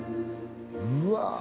うわ